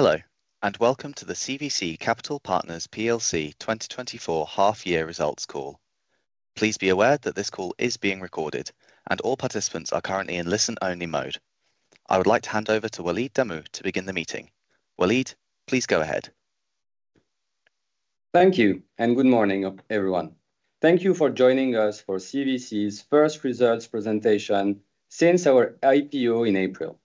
Hello, and welcome to the CVC Capital Partners PLC 2024 half year results call. Please be aware that this call is being recorded, and all participants are currently in listen-only mode. I would like to hand over to Walid Damou to begin the meeting. Walid, please go ahead. Thank you, and good morning, everyone. Thank you for joining us for CVC's first results presentation since our IPO in April.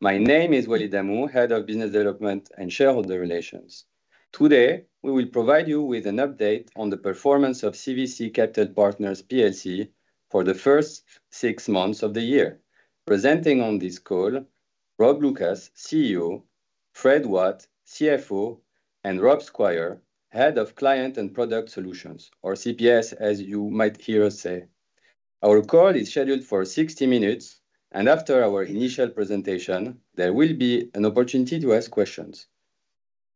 My name is Walid Damou, Head of Business Development and Shareholder Relations. Today, we will provide you with an update on the performance of CVC Capital Partners PLC for the first six months of the year. Presenting on this call, Rob Lucas, CEO, Fred Watt, CFO, and Rob Squire, Head of Client and Product Solutions, or CPS, as you might hear us say. Our call is scheduled for 60 minutes, and after our initial presentation, there will be an opportunity to ask questions.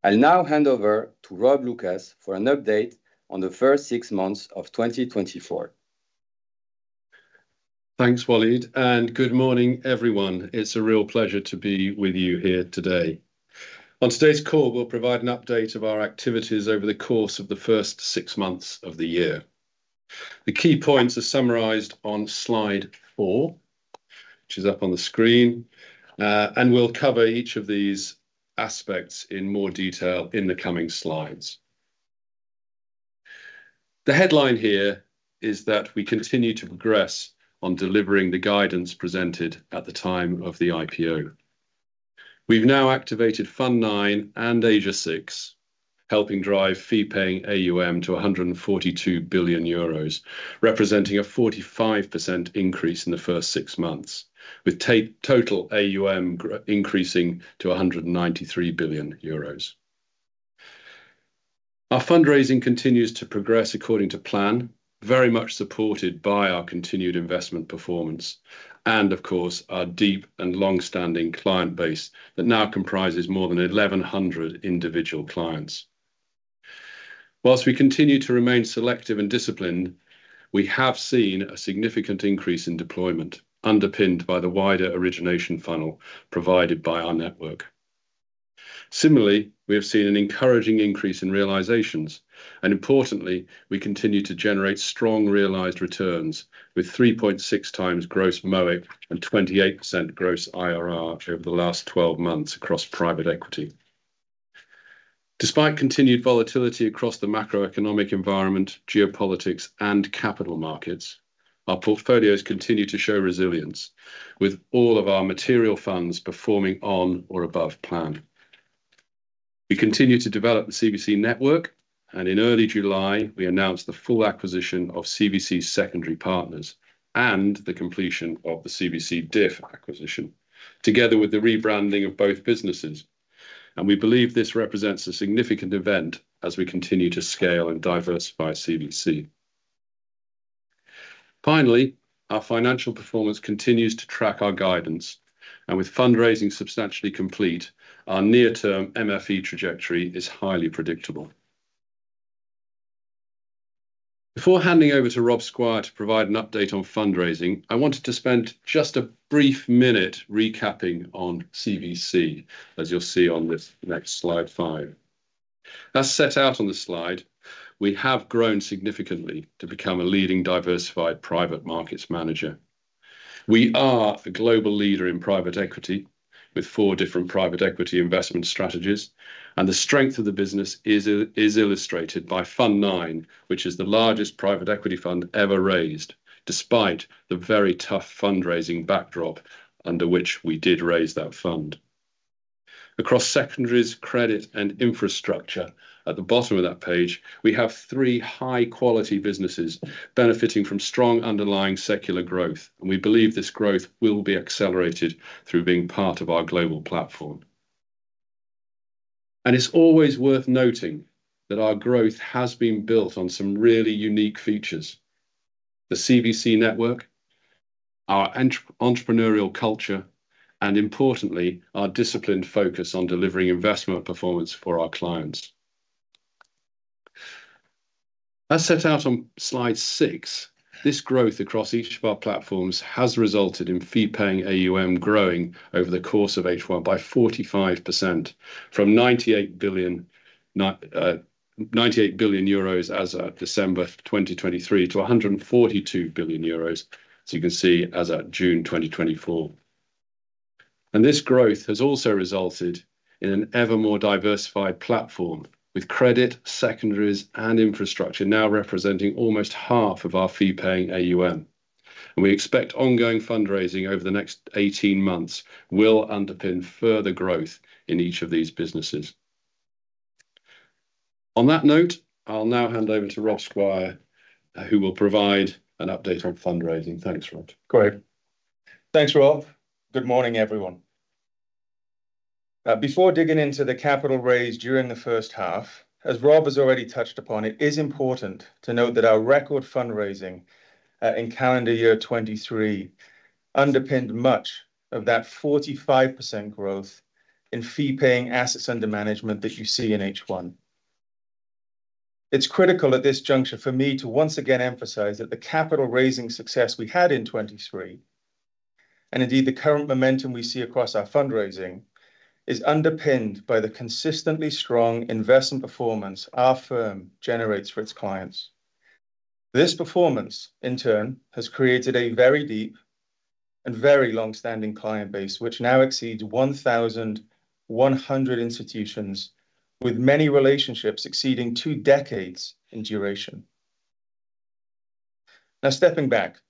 I'll now hand over to Rob Lucas for an update on the first six months of 2024. Thanks, Walid, and good morning, everyone. It's a real pleasure to be with you here today. On today's call, we'll provide an update of our activities over the course of the first six months of the year. The key points are summarized on slide four, which is up on the screen, and we'll cover each of these aspects in more detail in the coming slides. The headline here is that we continue to progress on delivering the guidance presented at the time of the IPO. We've now activated Fund Nine and Asia Six, helping drive fee-paying AUM to 142 billion euros, representing a 45% increase in the first six months, with total AUM increasing to 193 billion euros. Our fundraising continues to progress according to plan, very much supported by our continued investment performance and, of course, our deep and long-standing client base that now comprises more than 1100 individual clients. While we continue to remain selective and disciplined, we have seen a significant increase in deployment, underpinned by the wider origination funnel provided by our network. Similarly, we have seen an encouraging increase in realizations, and importantly, we continue to generate strong realized returns, with 3.6 times gross MOIC and 28% gross IRR over the last 12 months across private equity. Despite continued volatility across the macroeconomic environment, geopolitics, and capital markets, our portfolios continue to show resilience, with all of our material funds performing on or above plan. We continue to develop the CVC network, and in early July, we announced the full acquisition of CVC Secondary Partners and the completion of the CVC acquisition, together with the rebranding of both businesses, and we believe this represents a significant event as we continue to scale and diversify CVC. Finally, our financial performance continues to track our guidance, and with fundraising substantially complete, our near-term MFE trajectory is highly predictable. Before handing over to Rob Squire to provide an update on fundraising, I wanted to spend just a brief minute recapping on CVC, as you'll see on this next slide five. As set out on the slide, we have grown significantly to become a leading diversified private markets manager. We are the global leader in private equity, with four different private equity investment strategies, and the strength of the business is illustrated by Fund Nine, which is the largest private equity fund ever raised, despite the very tough fundraising backdrop under which we did raise that fund. Across secondaries, credit, and infrastructure, at the bottom of that page, we have three high-quality businesses benefiting from strong underlying secular growth, and we believe this growth will be accelerated through being part of our global platform. It's always worth noting that our growth has been built on some really unique features: the CVC network, our entrepreneurial culture, and importantly, our disciplined focus on delivering investment performance for our clients. As set out on slide six, this growth across each of our platforms has resulted in fee-paying AUM growing over the course of H1 by 45%, from 98 billion euros as of December 2023 to 142 billion euros, as you can see, as at June 2024. This growth has also resulted in an ever more diversified platform, with credit, secondaries, and infrastructure now representing almost half of our fee-paying AUM. We expect ongoing fundraising over the next 18 months will underpin further growth in each of these businesses. On that note, I'll now hand over to Rob Squire, who will provide an update on fundraising. Thanks, Rob. Great. Thanks, Rob. Good morning, everyone. Before digging into the capital raise during the first half, as Rob has already touched upon, it is important to note that our record fundraising in calendar year 2023 underpinned much of that 45% growth in fee-paying assets under management that you see in H1. It's critical at this juncture for me to once again emphasize that the capital raising success we had in 2023, and indeed the current momentum we see across our fundraising, is underpinned by the consistently strong investment performance our firm generates for its clients. This performance, in turn, has created a very deep and very long-standing client base, which now exceeds 1,100 institutions, with many relationships exceeding two decades in duration. Now, stepping back,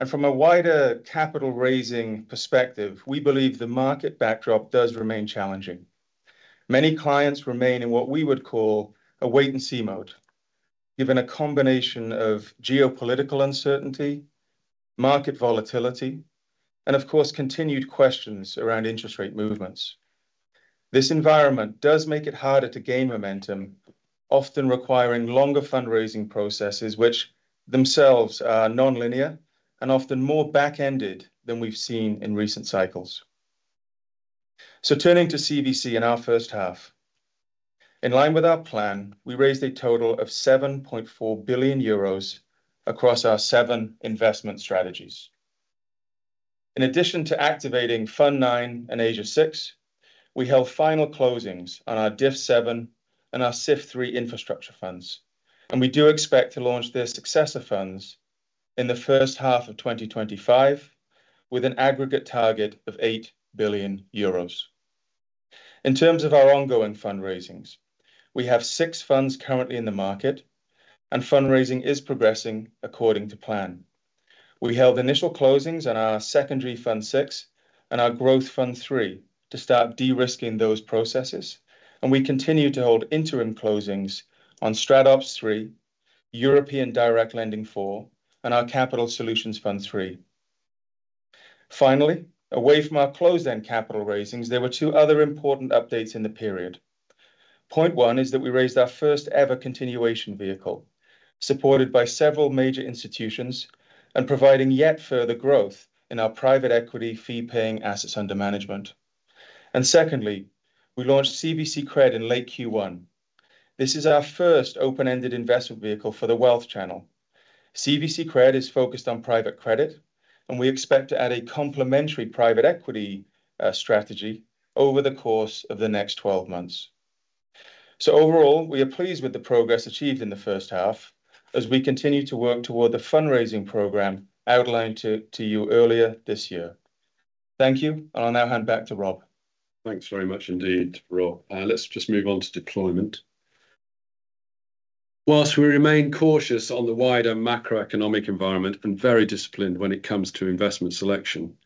and from a wider capital raising perspective, we believe the market backdrop does remain challenging. Many clients remain in what we would call a wait and see mode, given a combination of geopolitical uncertainty, market volatility, and of course, continued questions around interest rate movements. This environment does make it harder to gain momentum, often requiring longer fundraising processes, which themselves are non-linear and often more back-ended than we've seen in recent cycles. So turning to CVC in our first half, in line with our plan, we raised a total of 7.4 billion euros across our seven investment strategies. In addition to activating Fund Nine and Asia Six, we held final closings on our DIF Seven and our CIF Three infrastructure funds, and we do expect to launch their successor funds in the first half of 2025, with an aggregate target of 8 billion euros. In terms of our ongoing fundraisings, we have six funds currently in the market, and fundraising is progressing according to plan. We held initial closings on our Secondary Fund Six and our Growth Fund Three to start de-risking those processes, and we continue to hold interim closings on StratOps Three, European Direct Lending Four, and our Capital Solutions Fund Three. Finally, away from our closed-end capital raisings, there were two other important updates in the period. Point one is that we raised our first ever continuation vehicle, supported by several major institutions and providing yet further growth in our private equity fee-paying assets under management. Secondly, we launched CVC Credit in late Q1. This is our first open-ended investment vehicle for the wealth channel. CVC Credit is focused on private credit, and we expect to add a complementary private equity strategy over the course of the next twelve months. So overall, we are pleased with the progress achieved in the first half as we continue to work toward the fundraising program outlined to you earlier this year. Thank you, and I'll now hand back to Rob. Thanks very much indeed, Rob. Let's just move on to deployment. While we remain cautious on the wider macroeconomic environment and very disciplined when it comes to investment selection,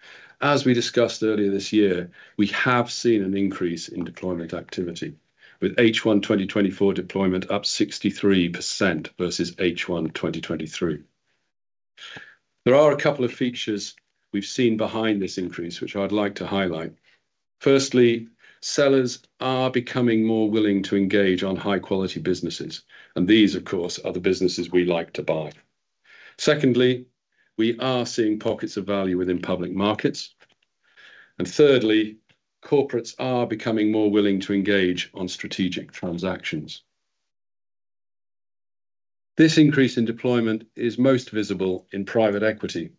as we discussed earlier this year, we have seen an increase in deployment activity, with H1 2024 deployment up 63% versus H1 2023. There are a couple of features we've seen behind this increase, which I'd like to highlight. Firstly, sellers are becoming more willing to engage on high quality businesses, and these, of course, are the businesses we like to buy. Secondly, we are seeing pockets of value within public markets. And thirdly, corporates are becoming more willing to engage on strategic transactions. This increase in deployment is most visible in private equity,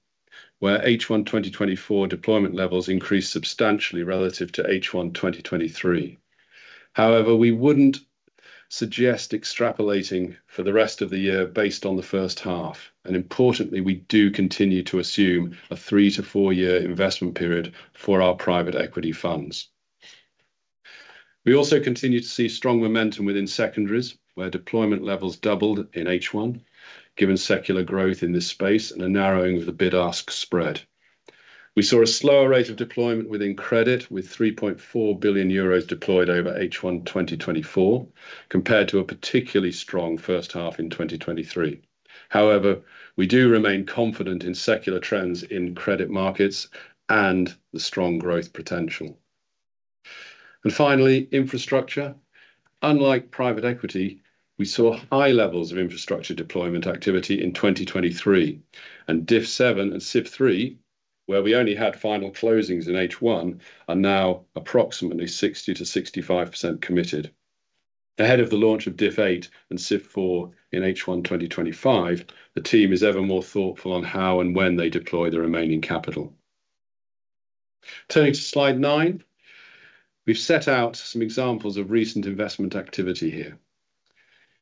where H1 2024 deployment levels increased substantially relative to H1 2023. However, we wouldn't suggest extrapolating for the rest of the year based on the first half, and importantly, we do continue to assume a three to four-year investment period for our private equity funds. We also continue to see strong momentum within secondaries, where deployment levels doubled in H1, given secular growth in this space and a narrowing of the bid-ask spread. We saw a slower rate of deployment within credit, with 3.4 billion euros deployed over H1 2024, compared to a particularly strong first half in 2023. However, we do remain confident in secular trends in credit markets and the strong growth potential. And finally, infrastructure. Unlike private equity, we saw high levels of infrastructure deployment activity in 2023, and DIF Seven and CIF Three, where we only had final closings in H1, are now approximately 60%-65% committed. Ahead of the launch of DIF Eight and CIF Four in H1 2025, the team is ever more thoughtful on how and when they deploy the remaining capital. Turning to slide nine, we've set out some examples of recent investment activity here.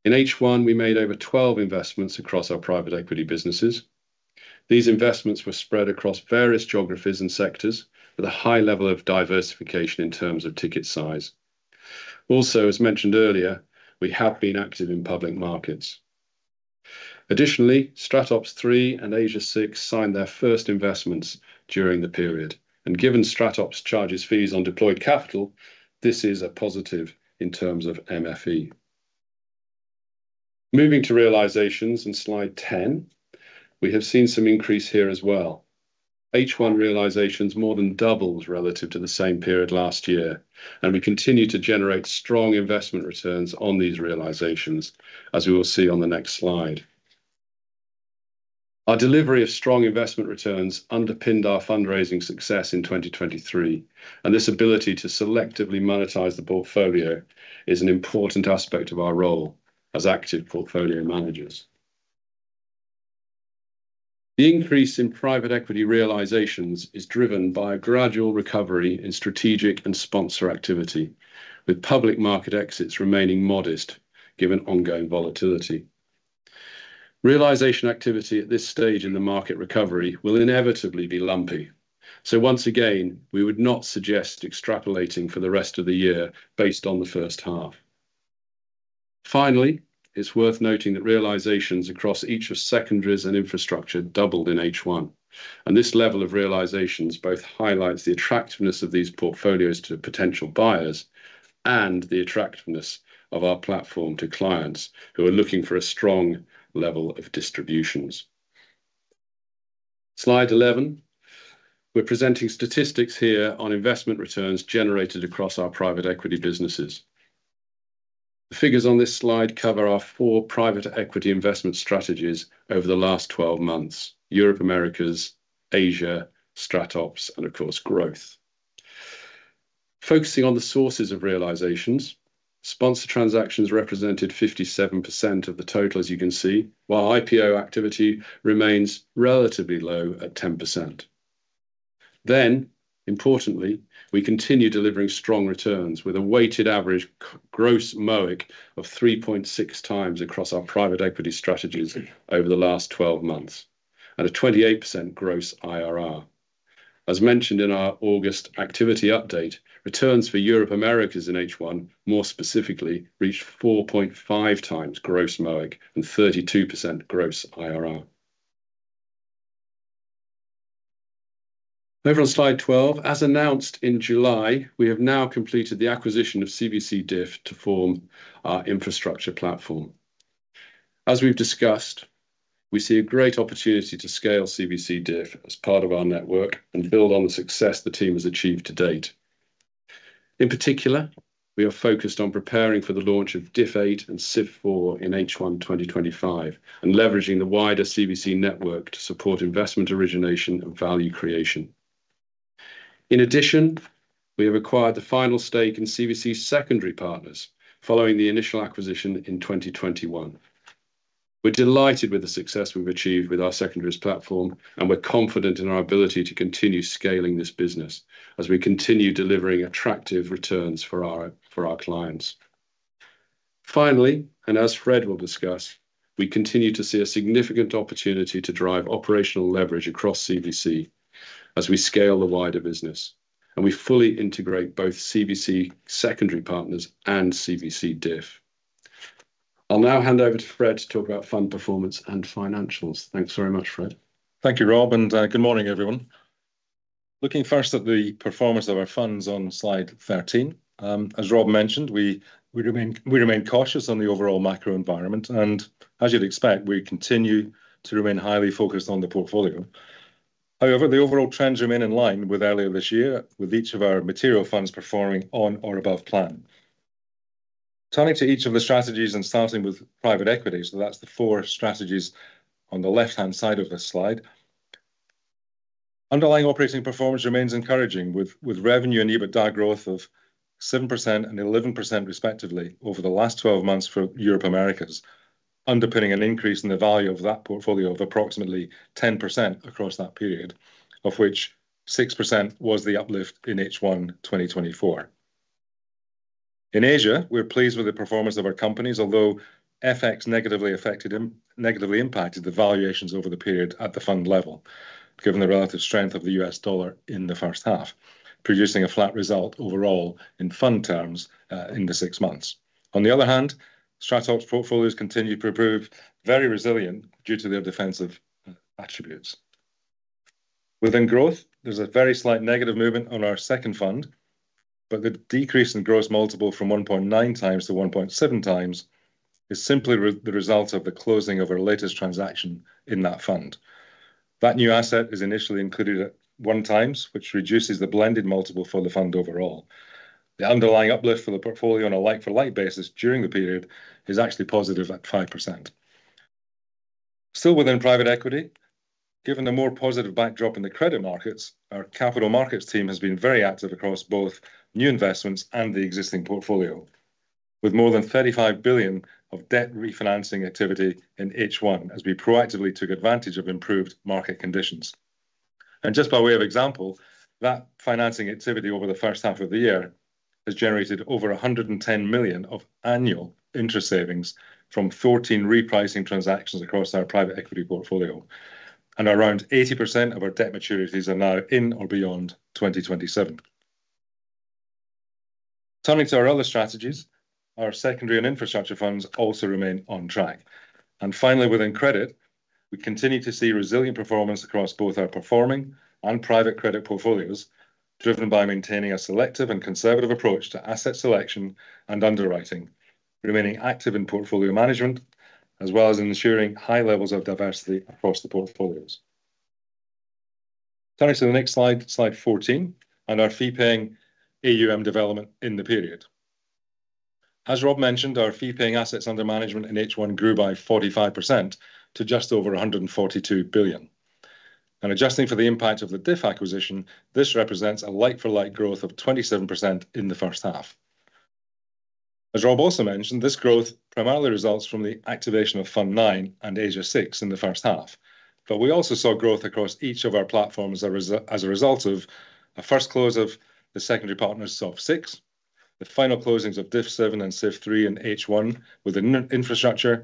In H1, we made over 12 investments across our private equity businesses. These investments were spread across various geographies and sectors, with a high level of diversification in terms of ticket size. Also, as mentioned earlier, we have been active in public markets. Additionally, StratOps Three and Asia Six signed their first investments during the period, and given StratOps charges fees on deployed capital, this is a positive in terms of MFE. Moving to realizations in slide 10, we have seen some increase here as well. H1 realizations more than doubled relative to the same period last year, and we continue to generate strong investment returns on these realizations, as we will see on the next slide. Our delivery of strong investment returns underpinned our fundraising success in 2023, and this ability to selectively monetize the portfolio is an important aspect of our role as active portfolio managers. The increase in private equity realizations is driven by a gradual recovery in strategic and sponsor activity, with public market exits remaining modest given ongoing volatility. Realization activity at this stage in the market recovery will inevitably be lumpy. So once again, we would not suggest extrapolating for the rest of the year based on the first half. Finally, it's worth noting that realizations across each of secondaries and infrastructure doubled in H1. This level of realizations both highlights the attractiveness of these portfolios to potential buyers and the attractiveness of our platform to clients who are looking for a strong level of distributions. Slide 11. We're presenting statistics here on investment returns generated across our private equity businesses. The figures on this slide cover our four private equity investment strategies over the last 12 months: Europe, Americas, Asia, StratOps, and of course, Growth. Focusing on the sources of realizations, sponsor transactions represented 57% of the total, as you can see, while IPO activity remains relatively low at 10%. Importantly, we continue delivering strong returns with a weighted average gross MOIC of 3.6 times across our private equity strategies over the last 12 months and a 28% gross IRR. As mentioned in our August activity update, returns for Europe, Americas in H1, more specifically, reached 4.5 times gross MOIC and 32% gross IRR. Over on slide 12, as announced in July, we have now completed the acquisition of CVC DIF to form our infrastructure platform. As we've discussed, we see a great opportunity to scale CVC DIF as part of our network and build on the success the team has achieved to date. In particular, we are focused on preparing for the launch of DIF eight and CIF four in H1, 2025, and leveraging the wider CVC network to support investment origination and value creation. In addition, we have acquired the final stake in CVC Secondary Partners, following the initial acquisition in 2021. We're delighted with the success we've achieved with our secondaries platform, and we're confident in our ability to continue scaling this business as we continue delivering attractive returns for our clients. Finally, and as Fred will discuss, we continue to see a significant opportunity to drive operational leverage across CVC as we scale the wider business, and we fully integrate both CVC Secondary Partners and CVC DIF. I'll now hand over to Fred to talk about fund performance and financials. Thanks very much, Fred. Thank you, Rob, and good morning, everyone. Looking first at the performance of our funds on slide 13. As Rob mentioned, we remain cautious on the overall macro environment, and as you'd expect, we continue to remain highly focused on the portfolio. However, the overall trends remain in line with earlier this year, with each of our material funds performing on or above plan. Turning to each of the strategies and starting with private equity, so that's the four strategies on the left-hand side of this slide. Underlying operating performance remains encouraging, with revenue and EBITDA growth of 7% and 11%, respectively, over the last twelve months for Europe, Americas, underpinning an increase in the value of that portfolio of approximately 10% across that period, of which 6% was the uplift in H1 2024. In Asia, we're pleased with the performance of our companies, although FX negatively affected them, negatively impacted the valuations over the period at the fund level, given the relative strength of the US dollar in the first half, producing a flat result overall in fund terms, in the six months. On the other hand, StratOps portfolios continue to prove very resilient due to their defensive attributes. Within Growth, there's a very slight negative movement on our second fund, but the decrease in gross multiple from one point nine times to one point seven times is simply the result of the closing of our latest transaction in that fund. That new asset is initially included at one times, which reduces the blended multiple for the fund overall. The underlying uplift for the portfolio on a like-for-like basis during the period is actually positive at 5%. Still within private equity, given the more positive backdrop in the credit markets, our capital markets team has been very active across both new investments and the existing portfolio, with more than $35 billion of debt refinancing activity in H1 as we proactively took advantage of improved market conditions, and just by way of example, that financing activity over the first half of the year has generated over $110 million of annual interest savings from 14 repricing transactions across our private equity portfolio, and around 80% of our debt maturities are now in or beyond 2027. Turning to our other strategies, our secondary and infrastructure funds also remain on track. And finally, within credit, we continue to see resilient performance across both our performing and private credit portfolios, driven by maintaining a selective and conservative approach to asset selection and underwriting, remaining active in portfolio management, as well as ensuring high levels of diversity across the portfolios. Turning to the next slide, slide 14, and our fee-paying AUM development in the period. As Rob mentioned, our fee-paying assets under management in H1 grew by 45% to just over 142 billion. And adjusting for the DIF acquisition, this represents a like for like growth of 27% in the first half. As Rob also mentioned, this growth primarily results from the activation of Fund Nine and Asia Six in the first half, but we also saw growth across each of our platforms as a result of the first close of the Secondary Partners Fund Six, the final closings of DIF Seven and CIF Three in H1, with infrastructure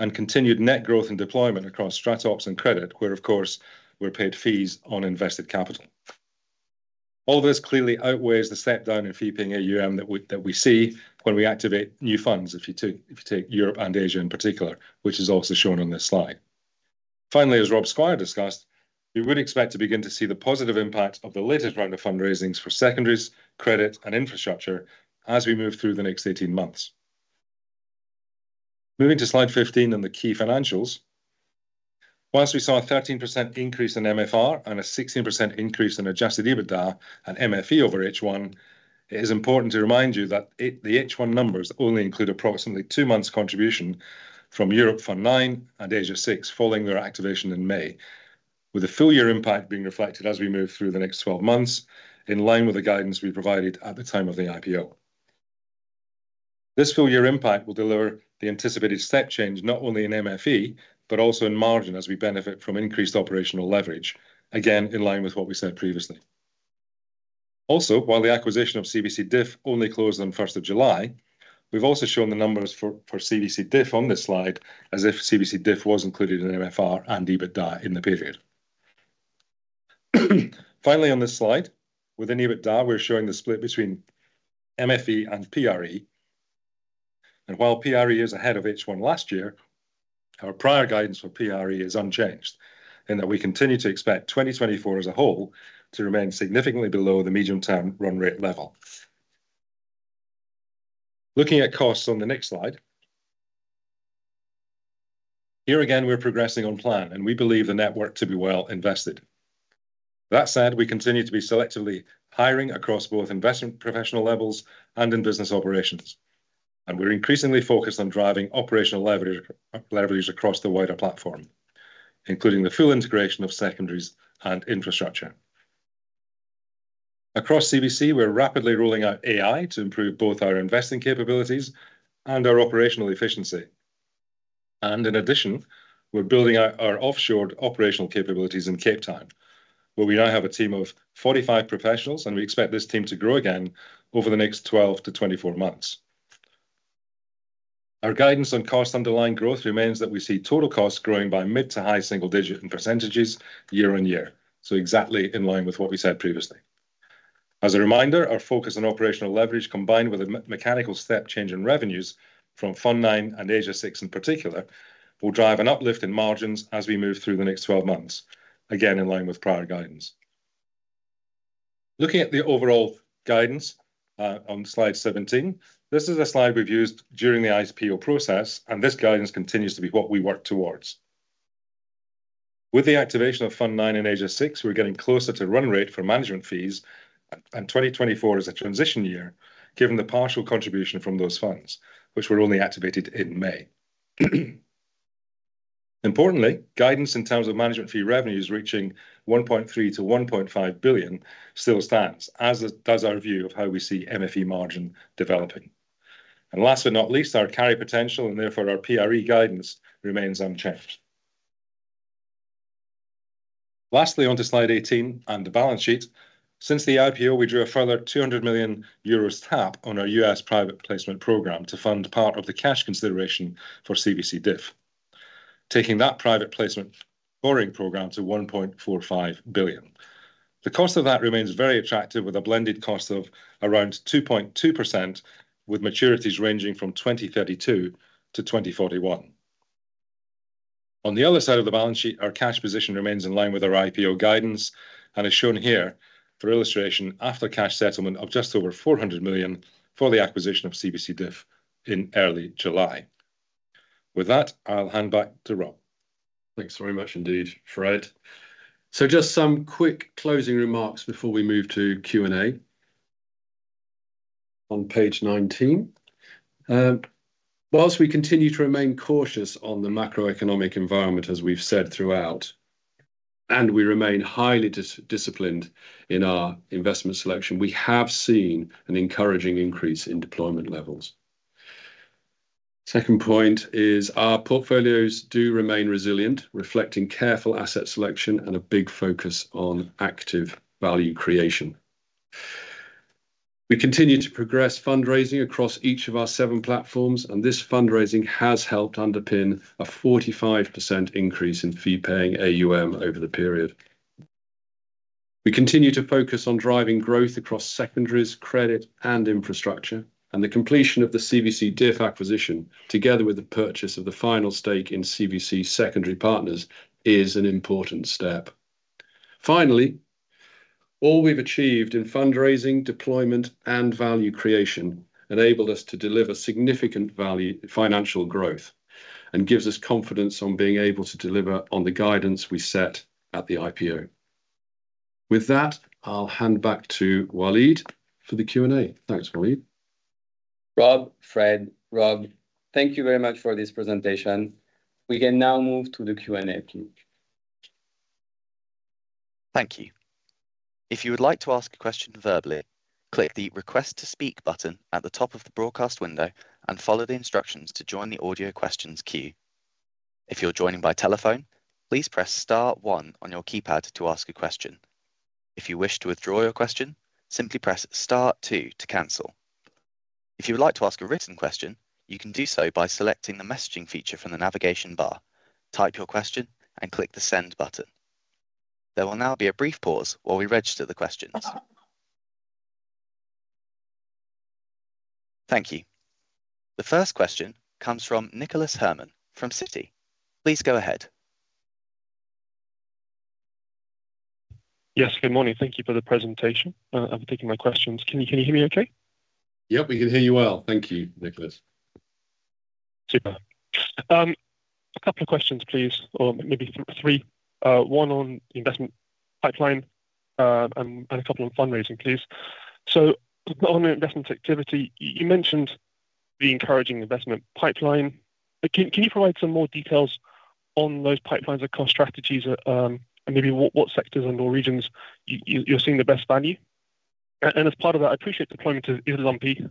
and continued net growth and deployment across StratOps and Credit, where, of course, we're paid fees on invested capital. All this clearly outweighs the step down in fee-paying AUM that we see when we activate new funds, if you take Europe and Asia in particular, which is also shown on this slide. Finally, as Rob Squire discussed, you would expect to begin to see the positive impact of the latest round of fundraisings for secondaries, credit, and infrastructure as we move through the next eighteen months. Moving to slide 15 and the key financials. While we saw a 13% increase in MFR and a 16% increase in adjusted EBITDA and MFE over H1, it is important to remind you that the H1 numbers only include approximately two months contribution from Europe Fund Nine and Asia Six, following their activation in May, with a full-year impact being reflected as we move through the next 12 months, in line with the guidance we provided at the time of the IPO. This full-year impact will deliver the anticipated step change, not only in MFE, but also in margin, as we benefit from increased operational leverage. Again, in line with what we said previously. Also, while the acquisition of CVC DIF only closed on the first of July, we've also shown the numbers for CVC DIF on this slide, as if CVC DIF was included in MFR and EBITDA in the period. Finally, on this slide, with an EBITDA, we're showing the split between MFE and PRE, and while PRE is ahead of H1 last year, our prior guidance for PRE is unchanged, in that we continue to expect 2024 as a whole to remain significantly below the medium-term run rate level. Looking at costs on the next slide. Here again, we're progressing on plan, and we believe the network to be well invested. That said, we continue to be selectively hiring across both investment professional levels and in business operations, and we're increasingly focused on driving operational leverage, leverages across the wider platform, including the full integration of secondaries and infrastructure. Across CVC, we're rapidly rolling out AI to improve both our investing capabilities and our operational efficiency. And in addition, we're building out our offshored operational capabilities in Cape Town, where we now have a team of 45 professionals, and we expect this team to grow again over the next 12 to 24 months. Our guidance on cost underlying growth remains that we see total costs growing by mid-to-high single-digit percentages year-on-year. So exactly in line with what we said previously. As a reminder, our focus on operational leverage, combined with a mechanical step change in revenues from Fund Nine and Asia Six in particular, will drive an uplift in margins as we move through the next 12 months. Again, in line with prior guidance. Looking at the overall guidance on slide 17, this is a slide we've used during the IPO process, and this guidance continues to be what we work towards. With the activation of Fund Nine and Asia Six, we're getting closer to run rate for management fees, and 2024 is a transition year, given the partial contribution from those funds, which were only activated in May. Importantly, guidance in terms of management fee revenues reaching 1.3 billion- 1.5 billion still stands, as does our view of how we see MFE margin developing. Last but not least, our carry potential, and therefore, our PRE guidance, remains unchanged. Lastly, on to slide 18 and the balance sheet. Since the IPO, we drew a further 200 million euros tap on our U.S. private placement program to fund part of the cash consideration for CVC DIF, taking that private placement borrowing program to 1.45 billion. The cost of that remains very attractive, with a blended cost of around 2.2%, with maturities ranging from 2032 to 2041. On the other side of the balance sheet, our cash position remains in line with our IPO guidance and is shown here for illustration after cash settlement of just over 400 million for the acquisition of CVC DIF in early July. With that, I'll hand back to Rob. Thanks very much indeed, Fred. So just some quick closing remarks before we move to Q&A. On page nineteen, while we continue to remain cautious on the macroeconomic environment, as we've said throughout, and we remain highly disciplined in our investment selection, we have seen an encouraging increase in deployment levels. Second point is our portfolios do remain resilient, reflecting careful asset selection and a big focus on active value creation. We continue to progress fundraising across each of our seven platforms, and this fundraising has helped underpin a 45% increase in fee-paying AUM over the period. We continue to focus on driving growth across secondaries, credit, and infrastructure, and the completion of the CVC DIF acquisition, together with the purchase of the final stake in CVC Secondary Partners, is an important step. Finally. All we've achieved in fundraising, deployment, and value creation enabled us to deliver significant value, financial growth, and gives us confidence on being able to deliver on the guidance we set at the IPO. With that, I'll hand back to Walid for the Q&A. Thanks, Walid. Rob, Fred, Rob, thank you very much for this presentation. We can now move to the Q&A, please. Thank you. If you would like to ask a question verbally, click the Request to Speak button at the top of the broadcast window and follow the instructions to join the audio questions queue. If you're joining by telephone, please press star one on your keypad to ask a question. If you wish to withdraw your question, simply press star two to cancel. If you would like to ask a written question, you can do so by selecting the messaging feature from the navigation bar. Type your question and click the Send button. There will now be a brief pause while we register the questions. Thank you. The first question comes from Nicholas Herman from Citi. Please go ahead. Yes, good morning. Thank you for the presentation. I've taken my questions. Can you, can you hear me okay? Yep, we can hear you well. Thank you, Nicholas. Super. A couple of questions, please, or maybe three. One on the investment pipeline, and a couple on fundraising, please. On the investment activity, you mentioned the encouraging investment pipeline. Can you provide some more details on those pipelines across strategies, and maybe what sectors and/or regions you're seeing the best value? And as part of that, I appreciate deployment is lumpy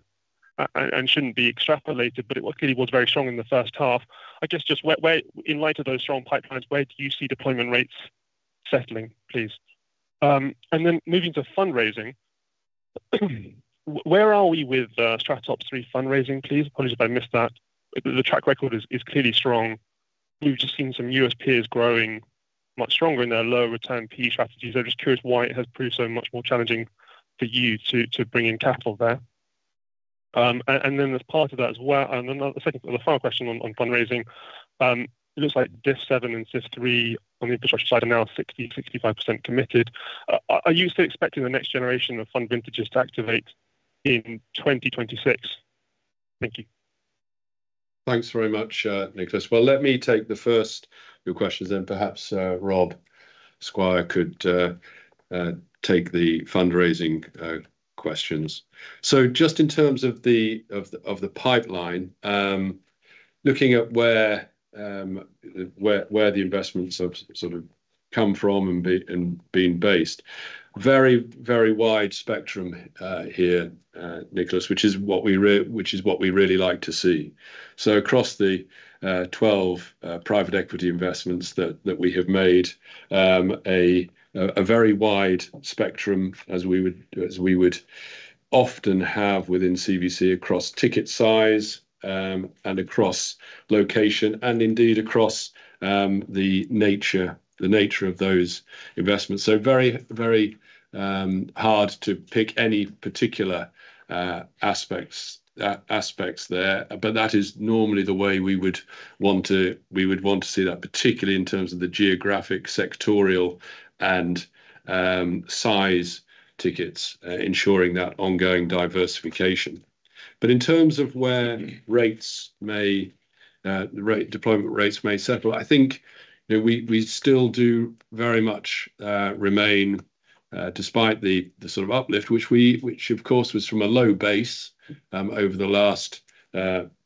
and shouldn't be extrapolated, but it clearly was very strong in the first half. I guess, just where in light of those strong pipelines, where do you see deployment rates settling, please? And then moving to fundraising, where are we with Strat Ops three fundraising, please? Apologies if I missed that. The track record is clearly strong. We've just seen some U.S. peers growing much stronger in their lower return PE strategies. I'm just curious why it has proved so much more challenging for you to bring in capital there. And then as part of that as well, the second, the final question on fundraising. It looks like DIF Seven and CIF Three on the infrastructure side are now 60%- 65% committed. Are you still expecting the next generation of fund vintages to activate in 2026? Thank you. Thanks very much, Nicholas. Let me take the first of your questions, and perhaps Rob Squire could take the fundraising questions. Just in terms of the pipeline, looking at where the investments have sort of come from and been based, very wide spectrum here, Nicholas, which is what we really like to see. Across the 12 private equity investments that we have made, a very wide spectrum as we would often have within CVC, across ticket size, and across location and indeed across the nature of those investments. Very hard to pick any particular aspects there. But that is normally the way we would want to, we would want to see that, particularly in terms of the geographic, sectoral, and size tickets, ensuring that ongoing diversification. But in terms of where deployment rates may settle, I think that we, we still do very much remain, despite the, the sort of uplift which we... Which, of course, was from a low base, over the last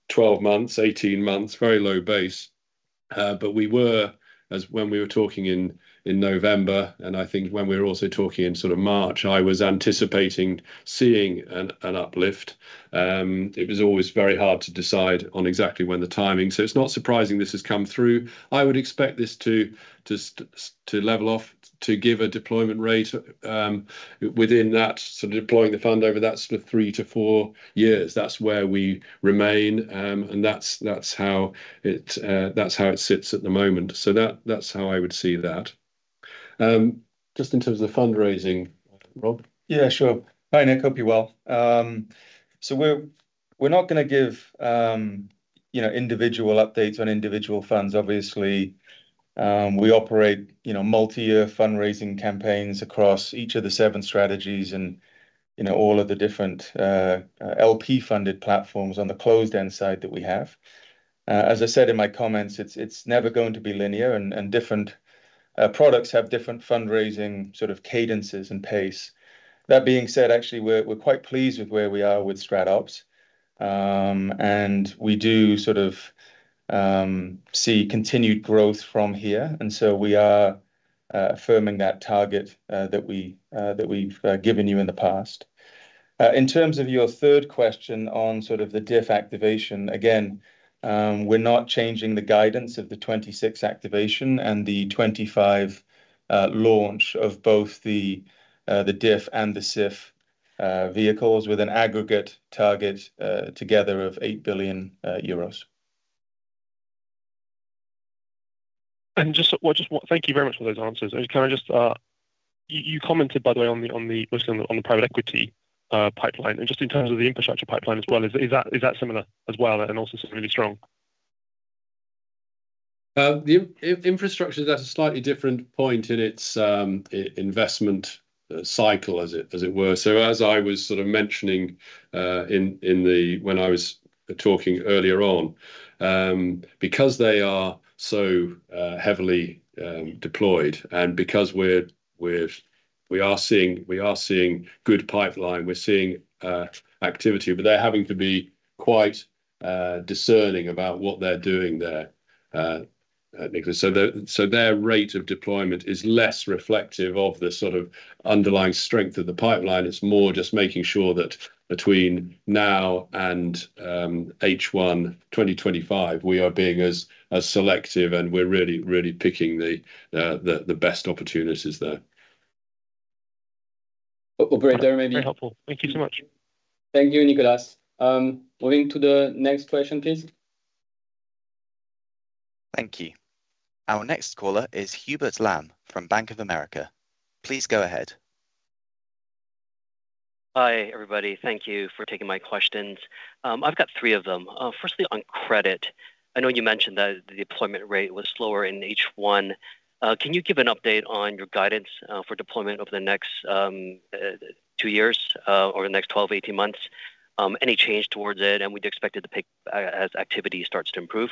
12 months, 18 months, very low base. But we were, as when we were talking in November, and I think when we were also talking in sort of March, I was anticipating seeing an uplift. It was always very hard to decide on exactly when the timing, so it's not surprising this has come through. I would expect this to level off, to give a deployment rate, within that, sort of deploying the fund over that sort of three to four years. That's where we remain, and that's how it sits at the moment. So that, that's how I would see that. Just in terms of the fundraising, Rob? Yeah, sure. Hi, Nick, hope you're well. So we're not gonna give, you know, individual updates on individual funds. Obviously, we operate, you know, multi-year fundraising campaigns across each of the seven strategies and, you know, all of the different LP-funded platforms on the closed-end side that we have. As I said in my comments, it's never going to be linear, and different products have different fundraising sort of cadences and pace. That being said, actually, we're quite pleased with where we are with Strat Ops. And we do sort of see continued growth from here, and so we are affirming that target that we've given you in the past. In terms of your third question on sort of the DIF activation, again, we're not changing the guidance of the 2026 activation and the 2025 launch of both the DIF and the CIF vehicles with an aggregate target together of EUR 8 billion. Thank you very much for those answers. Can I just, you commented, by the way, mostly on the private equity pipeline. Just in terms of the infrastructure pipeline as well, is that similar as well and also similarly strong?... The infrastructure is at a slightly different point in its investment cycle, as it were. So as I was sort of mentioning when I was talking earlier on, because they are so heavily deployed and because we are seeing good pipeline, we are seeing activity, but they're having to be quite discerning about what they're doing there, Nicholas. So their rate of deployment is less reflective of the sort of underlying strength of the pipeline. It's more just making sure that between now and H1 2025, we are being as selective, and we're really picking the best opportunities there. Operator, very helpful. Thank you so much. Thank you, Nicholas. Moving to the next question, please. Thank you. Our next caller is Hubert Lam from Bank of America. Please go ahead. Hi, everybody. Thank you for taking my questions. I've got three of them. Firstly, on credit, I know you mentioned that the deployment rate was slower in H1. Can you give an update on your guidance for deployment over the next two years or the next 12, 18 months? Any change towards it, and we'd expected to pick as activity starts to improve?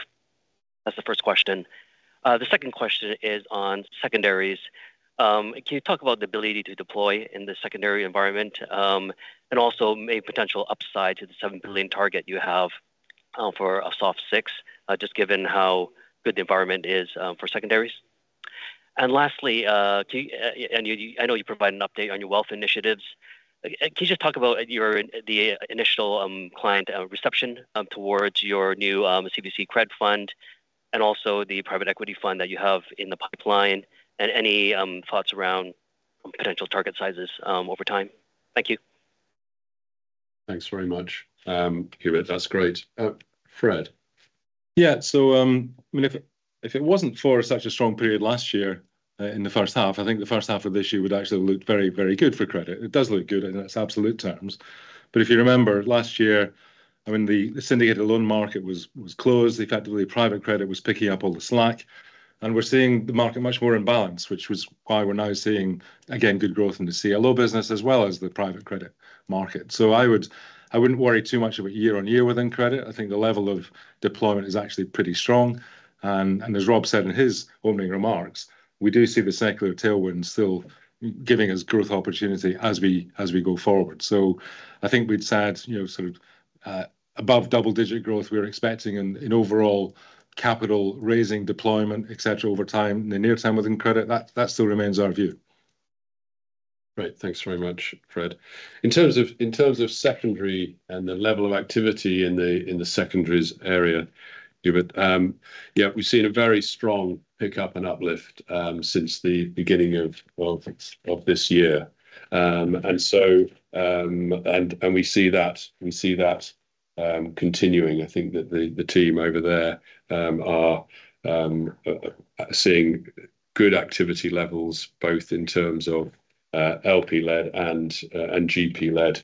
That's the first question. The second question is on secondaries. Can you talk about the ability to deploy in the secondary environment and also a potential upside to the seven billion target you have for a SOF VI just given how good the environment is for secondaries? And lastly, can you, And you, I know you provided an update on your wealth initiatives. Can you just talk about your initial client reception towards your new CVC Credit fund and also the private equity fund that you have in the pipeline, and any thoughts around potential target sizes over time? Thank you. Thanks very much, Hubert. That's great. Fred? Yeah. So, I mean, if it wasn't for such a strong period last year, in the first half, I think the first half of this year would actually look very, very good for credit. It does look good in its absolute terms. But if you remember last year, I mean, the syndicated loan market was closed. Effectively, private credit was picking up all the slack, and we're seeing the market much more in balance, which was why we're now seeing, again, good growth in the CLO business as well as the private credit market. So I would I wouldn't worry too much about year-on-year within credit. I think the level of deployment is actually pretty strong. And as Rob said in his opening remarks, we do see the secular tailwind still giving us growth opportunity as we go forward. So I think we'd said, you know, sort of, above double-digit growth, we're expecting in overall capital raising, deployment, et cetera, over time, the near term within credit, that still remains our view. Great. Thanks very much, Fred. In terms of secondaries and the level of activity in the secondaries area, Hubert, yeah, we've seen a very strong pickup and uplift since the beginning of, well, of this year. And so we see that continuing. I think that the team over there are seeing good activity levels, both in terms of LP-led and GP-led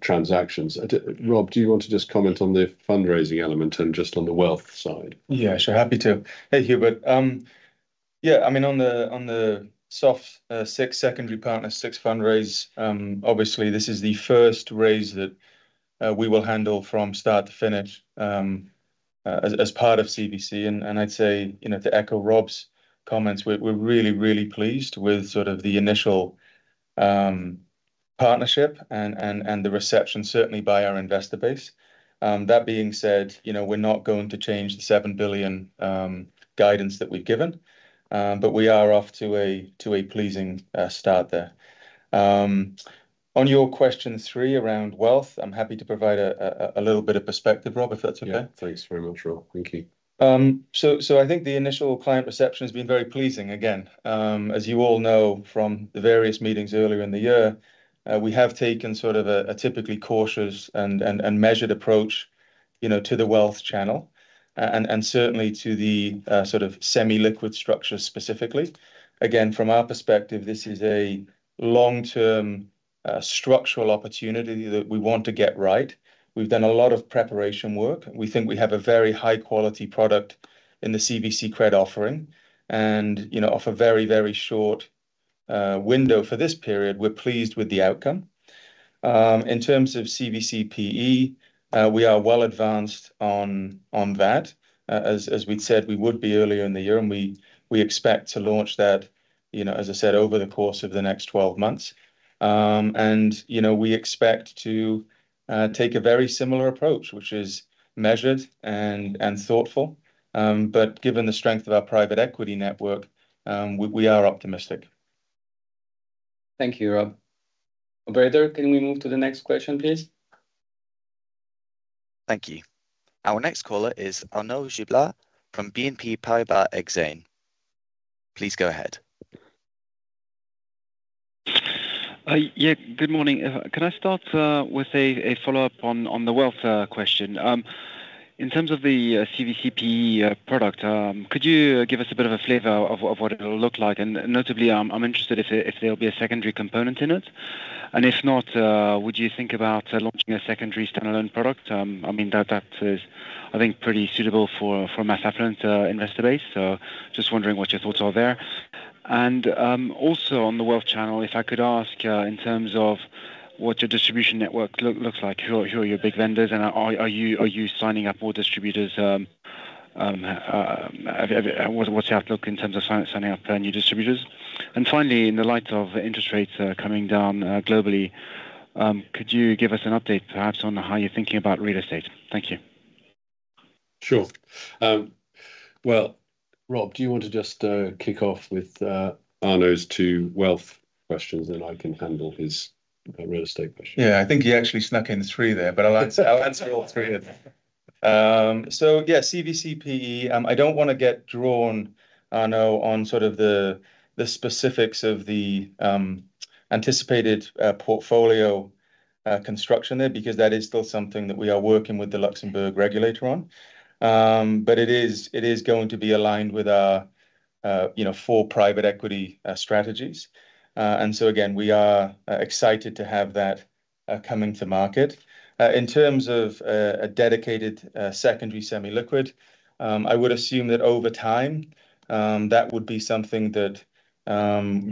transactions. Rob, do you want to just comment on the fundraising element and just on the wealth side? Yeah, sure. Happy to. Hey, Hubert. Yeah, I mean, on the SOF VI Secondary Partners six fundraise, obviously, this is the first raise that we will handle from start to finish, as part of CVC. And I'd say, you know, to echo Rob's comments, we're really pleased with sort of the initial partnership and the reception, certainly by our investor base. That being said, you know, we're not going to change the seven billion guidance that we've given, but we are off to a pleasing start there. On your question three around wealth, I'm happy to provide a little bit of perspective, Rob, if that's okay. Yeah, please. Very much, Rob. Thank you. So, I think the initial client reception has been very pleasing. Again, as you all know from the various meetings earlier in the year, we have taken sort of a typically cautious and measured approach, you know, to the wealth channel and certainly to the sort of semi-liquid structure specifically. Again, from our perspective, this is a long-term structural opportunity that we want to get right. We've done a lot of preparation work. We think we have a very high-quality product in the CVC cred offering and, you know, off a very, very short window for this period, we're pleased with the outcome. In terms of CVC PE, we are well advanced on that, as we'd said we would be earlier in the year, and we expect to launch that, you know, as I said, over the course of the next twelve months, and you know, we expect to take a very similar approach, which is measured and thoughtful, but given the strength of our private equity network, we are optimistic. Thank you, Rob. Operator, can we move to the next question, please? Thank you. Our next caller is Arnaud Giblat from BNP Paribas Exane. Please go ahead. Yeah, good morning. Can I start with a follow-up on the wealth question? In terms of the CVC PE product, could you give us a bit of a flavor of what it'll look like? And notably, I'm interested if there'll be a secondary component in it. And if not, would you think about launching a secondary standalone product? I mean, that is, I think, pretty suitable for mass affluent investor base. So just wondering what your thoughts are there. And also on the wealth channel, if I could ask, in terms of what your distribution network looks like, who are your big vendors, and are you signing up more distributors? What's the outlook in terms of signing up new distributors? And finally, in the light of interest rates coming down globally, could you give us an update perhaps on how you're thinking about real estate? Thank you. Sure. Well, Rob, do you want to just kick off with Arnaud's two wealth questions, and I can handle his real estate question? Yeah. I think he actually snuck in three there, but I'll answer all three of them. So yeah, CVC PE, I don't wanna get drawn, Arnaud, on sort of the specifics of the anticipated portfolio construction there, because that is still something that we are working with the Luxembourg regulator on. But it is going to be aligned with our, you know, four private equity strategies. And so again, we are excited to have that coming to market. In terms of a dedicated secondary semi-liquid, I would assume that over time that would be something that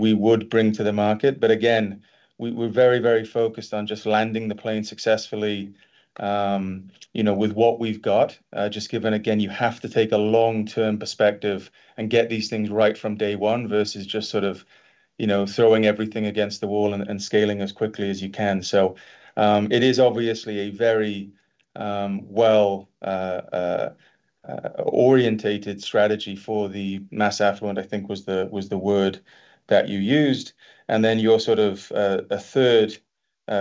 we would bring to the market. But again, we're very, very focused on just landing the plane successfully, you know, with what we've got. Just given, again, you have to take a long-term perspective and get these things right from day one versus just sort of, you know, throwing everything against the wall and scaling as quickly as you can. So, it is obviously a very, well, orientated strategy for the mass affluent, I think was the word that you used. Then your sort of a third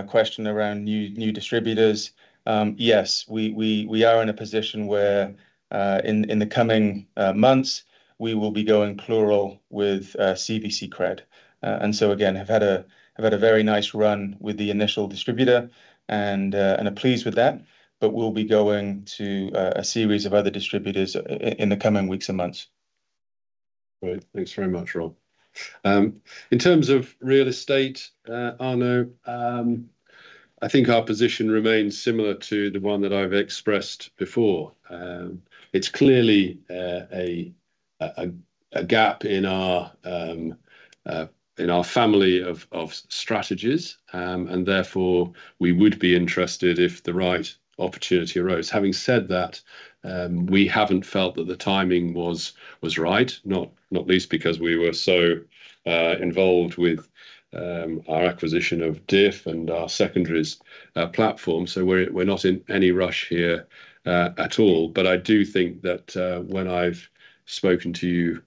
question around new distributors. Yes, we are in a position where, in the coming months, we will be going plural with CVC Cred. And so again, have had a very nice run with the initial distributor and are pleased with that, but we'll be going to a series of other distributors in the coming weeks and months. Great. Thanks very much, Rob. In terms of real estate, Arno, I think our position remains similar to the one that I've expressed before. It's clearly a gap in our family of strategies. And therefore, we would be interested if the right opportunity arose. Having said that, we haven't felt that the timing was right, not least because we were so involved with our acquisition of DIF and our secondaries platform. So we're not in any rush here at all. But I do think that when I've spoken to you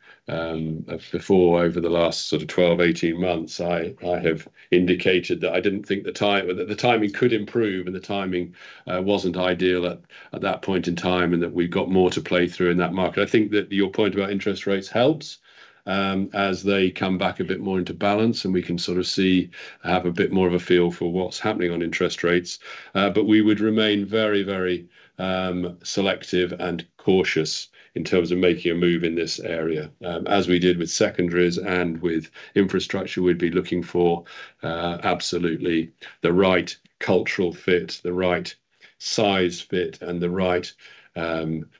before, over the last sort of 12, 18 months, I have indicated that I didn't think the time... That the timing could improve, and the timing wasn't ideal at that point in time, and that we've got more to play through in that market. I think that your point about interest rates helps, as they come back a bit more into balance, and we can sort of see, have a bit more of a feel for what's happening on interest rates. But we would remain very, very selective and cautious in terms of making a move in this area. As we did with secondaries and with infrastructure, we'd be looking for absolutely the right cultural fit, the right size fit, and the right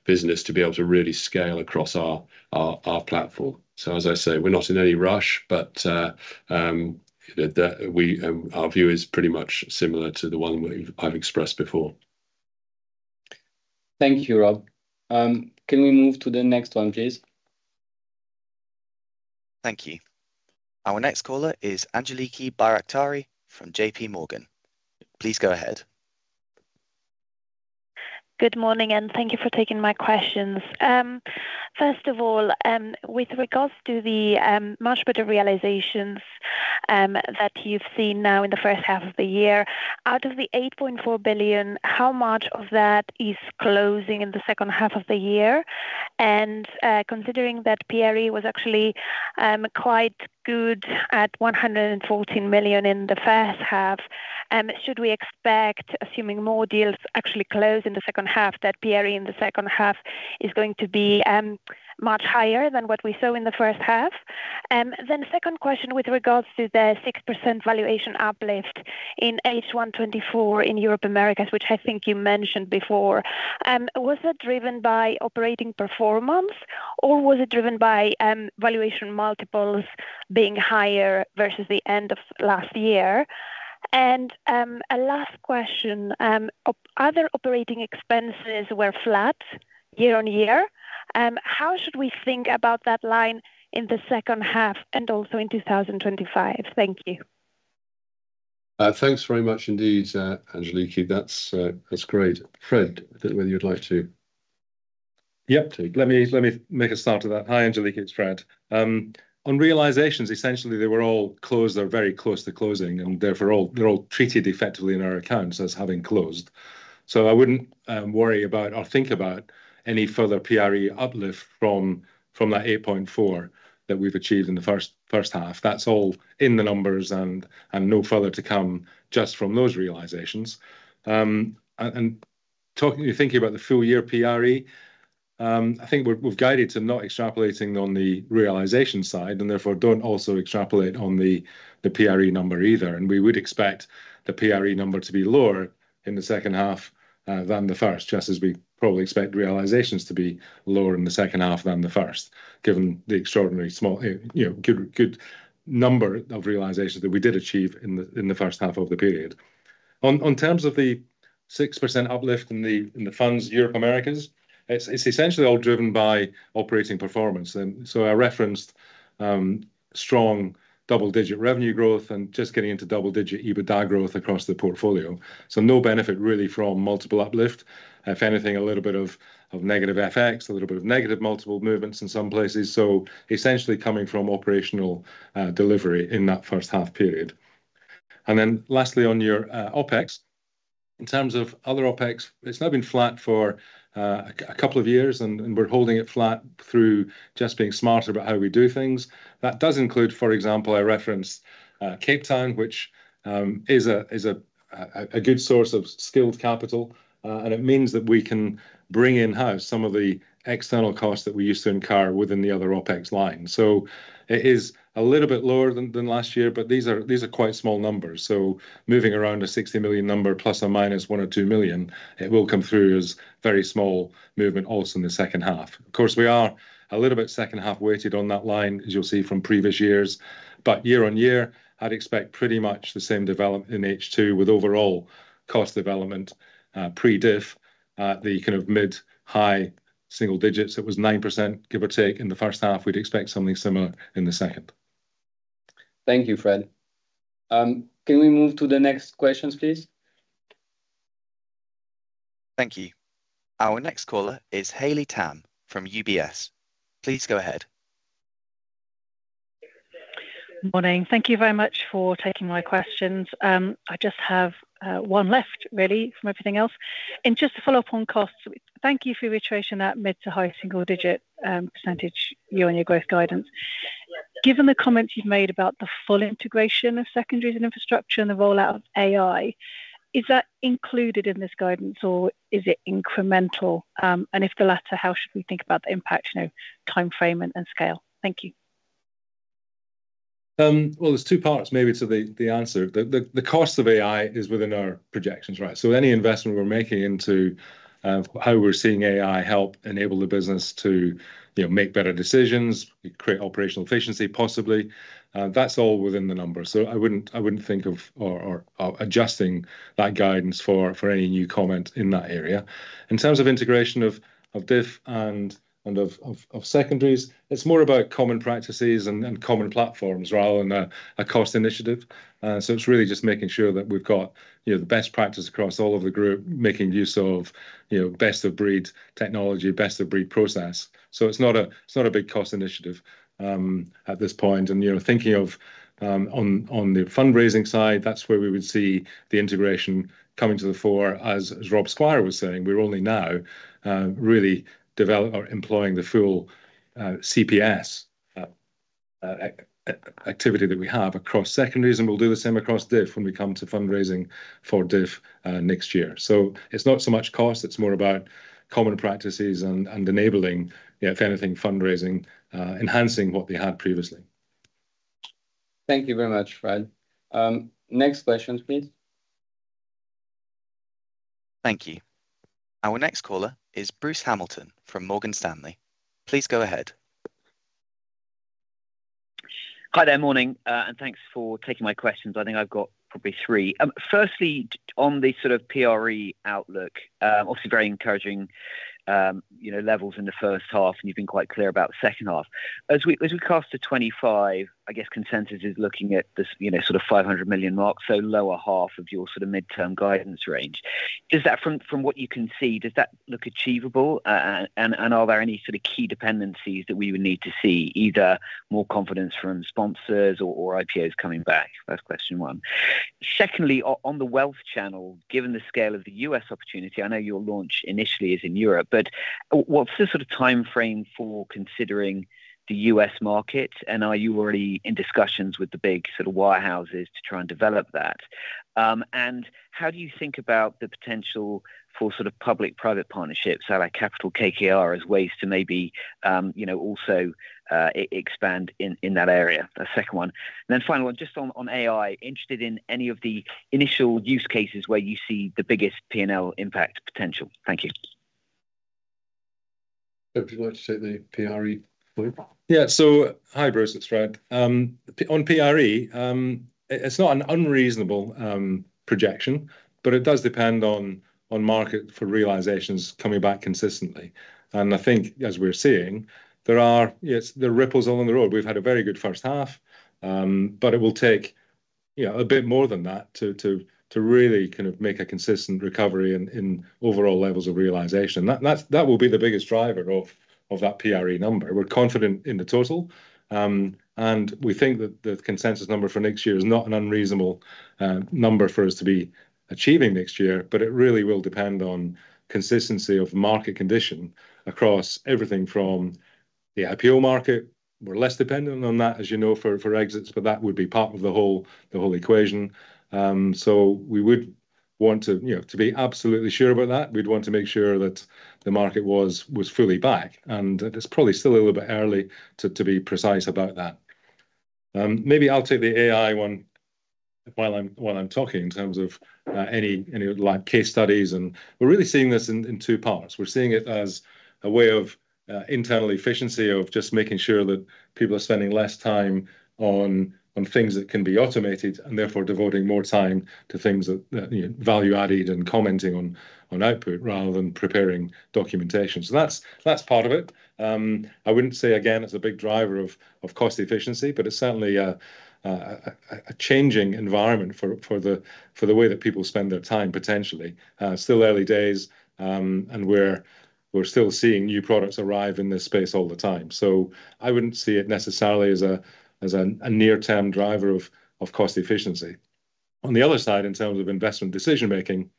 business to be able to really scale across our platform. So, as I say, we're not in any rush, but the, the, we... Our view is pretty much similar to the one I've expressed before. Thank you, Rob. Can we move to the next one, please? Thank you. Our next caller is Angeliki Bairaktari from JP Morgan. Please go ahead. Good morning, and thank you for taking my questions. First of all, with regards to the much better realizations that you've seen now in the first half of the year, out of the 8.4 billion, how much of that is closing in the second half of the year? And, considering that PRE was actually quite good at 114 million in the first half, should we expect, assuming more deals actually close in the second half, that PRE in the second half is going to be much higher than what we saw in the first half? Then the second question with regards to the 6% valuation uplift in H1 2024 in Europe, Americas, which I think you mentioned before, was that driven by operating performance, or was it driven by valuation multiples being higher versus the end of last year? And a last question. Other operating expenses were flat year-on-year. How should we think about that line in the second half and also in 2025? Thank you. Thanks very much indeed, Angeliki. That's great. Fred, I think whether you'd like to- Yep. Take. Let me make a start to that. Hi, Angeliki, it's Fred. On realizations, essentially, they were all closed or very close to closing, and therefore, they're all treated effectively in our accounts as having closed. So I wouldn't worry about or think about any further PRE uplift from that eight point four that we've achieved in the first half. That's all in the numbers and no further to come just from those realizations.... talking, you're thinking about the full-year PRE. I think we've guided to not extrapolating on the realization side, and therefore, don't also extrapolate on the PRE number either, and we would expect the PRE number to be lower in the second half than the first, just as we probably expect realizations to be lower in the second half than the first, given the extraordinarily small, you know, good number of realizations that we did achieve in the first half of the period. In terms of the 6% uplift in the funds Europe, Americas, it's essentially all driven by operating performance, and so I referenced strong double-digit revenue growth and just getting into double-digit EBITDA growth across the portfolio, so no benefit really from multiple uplift. If anything, a little bit of negative FX, a little bit of negative multiple movements in some places, so essentially coming from operational delivery in that first half period. Then lastly, on your OpEx, in terms of other OpEx, it's now been flat for a couple of years, and we're holding it flat through just being smarter about how we do things. That does include, for example, I referenced Cape Town, which is a good source of skilled capital, and it means that we can bring in-house some of the external costs that we used to incur within the other OpEx line. So it is a little bit lower than last year, but these are quite small numbers. So moving around a 60 million number, plus or minus 1 or 2 million, it will come through as very small movement also in the second half. Of course, we are a little bit second half-weighted on that line, as you'll see from previous years. But year-on-year, I'd expect pretty much the same development in H2, with overall cost development, pre-DIF, the kind of mid-high single digits. It was 9%, give or take, in the first half. We'd expect something similar in the second. Thank you, Fred. Can we move to the next questions, please? Thank you. Our next caller is Hayley Tam from UBS. Please go ahead. Morning. Thank you very much for taking my questions. I just have one left, really, from everything else and just to follow up on costs. Thank you for your iteration, that mid-to-high single-digit percentages year-on-year growth guidance. Given the comments you've made about the full integration of secondaries and infrastructure and the rollout of AI, is that included in this guidance or is it incremental, and if the latter, how should we think about the impact, you know, time frame and scale? Thank you. There's two parts maybe to the answer. The cost of AI is within our projections, right? So any investment we're making into how we're seeing AI help enable the business to, you know, make better decisions, create operational efficiency, possibly, that's all within the number. So I wouldn't think of adjusting that guidance for any new comment in that area. In terms of integration of DIF and secondaries, it's more about common practices and common platforms rather than a cost initiative. So it's really just making sure that we've got, you know, the best practice across all of the group, making use of, you know, best of breed technology, best of breed process. So it's not a big cost initiative at this point. You know, thinking of the fundraising side, that's where we would see the integration coming to the fore. As Rob Squire was saying, we're only now really developing or employing the full CPS activity that we have across secondaries, and we'll do the same across DIF when we come to fundraising for DIF next year. It's not so much cost, it's more about common practices and enabling, if anything, fundraising, enhancing what we had previously. Thank you very much, Fred. Next questions, please. Thank you. Our next caller is Bruce Hamilton from Morgan Stanley. Please go ahead. Hi there. Morning, and thanks for taking my questions. I think I've got probably three. Firstly, on the sort of PRE outlook, obviously very encouraging, you know, levels in the first half, and you've been quite clear about the second half. As we cast to 2025, I guess consensus is looking at this, you know, sort of five hundred million mark, so lower half of your sort of midterm guidance range. Is that from what you can see, does that look achievable? And are there any sort of key dependencies that we would need to see, either more confidence from sponsors or IPOs coming back? That's question one. Secondly, on the wealth channel, given the scale of the U.S. opportunity, I know your launch initially is in Europe, but what's the sort of time frame for considering the U.S. market? And are you already in discussions with the big sort of wirehouses to try and develop that? And how do you think about the potential for sort of public-private partnerships, so like Capital KKR, as ways to maybe, you know, also expand in that area? The second one. Then final one, just on AI, interested in any of the initial use cases where you see the biggest P&L impact potential. Thank you. Would you like to take the PRE point? Yeah. So hi, Bruce, it's Fred. On PRE, it's not an unreasonable projection, but it does depend on market for realizations coming back consistently. And I think as we're seeing, there are... Yes, there are ripples along the road. We've had a very good first half, but it will take, you know, a bit more than that to really kind of make a consistent recovery in overall levels of realization. That will be the biggest driver of that PRE number. We're confident in the total, and we think that the consensus number for next year is not an unreasonable number for us to be achieving next year, but it really will depend on consistency of market condition across everything from... The IPO market, we're less dependent on that, as you know, for exits, but that would be part of the whole equation. So we would want to, you know, to be absolutely sure about that. We'd want to make sure that the market was fully back, and it's probably still a little bit early to be precise about that. Maybe I'll take the AI one while I'm talking, in terms of any like case studies, and we're really seeing this in two parts. We're seeing it as a way of internal efficiency, of just making sure that people are spending less time on things that can be automated, and therefore devoting more time to things that you know value-added and commenting on output, rather than preparing documentation. So that's part of it. I wouldn't say again, it's a big driver of cost efficiency, but it's certainly a changing environment for the way that people spend their time, potentially. Still early days, and we're still seeing new products arrive in this space all the time. So I wouldn't see it necessarily as a near-term driver of cost efficiency. On the other side, in terms of investment decision making,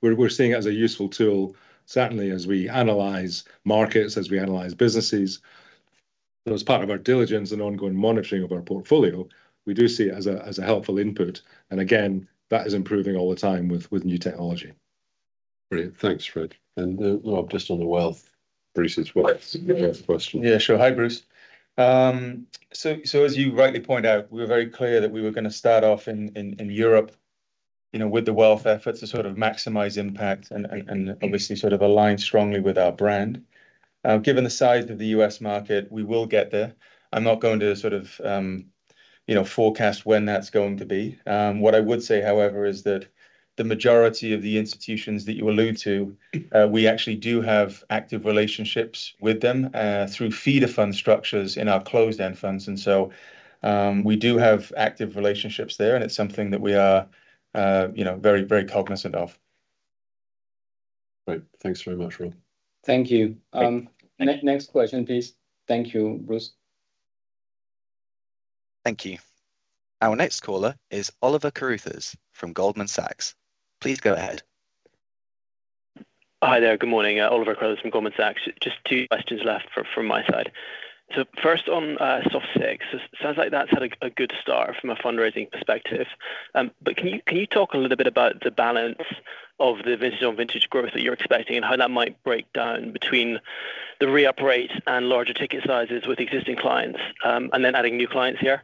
we're seeing it as a useful tool, certainly as we analyze markets, as we analyze businesses. But as part of our diligence and ongoing monitoring of our portfolio, we do see it as a helpful input, and again, that is improving all the time with new technology. Great. Thanks, Fred. And, just on the wealth, Bruce's wealth question. Yeah, sure. Hi, Bruce. So as you rightly point out, we're very clear that we were gonna start off in Europe, you know, with the wealth efforts to sort of maximize impact and obviously, sort of align strongly with our brand. Given the size of the U.S. market, we will get there. I'm not going to sort of, you know, forecast when that's going to be. What I would say, however, is that the majority of the institutions that you allude to, we actually do have active relationships with them, through feeder fund structures in our closed-end funds, and so we do have active relationships there, and it's something that we are, you know, very, very cognizant of. Great. Thanks very much, Rob. Thank you. Thank- Next question, please. Thank you, Bruce. Thank you. Our next caller is Oliver Carruthers from Goldman Sachs. Please go ahead. Hi there. Good morning, Oliver Carruthers from Goldman Sachs. Just two questions left from my side. So first on Soft VI. Sounds like that's had a good start from a fundraising perspective. But can you talk a little bit about the balance of the vintage on vintage growth that you're expecting, and how that might break down between the re-up rate and larger ticket sizes with existing clients, and then adding new clients here?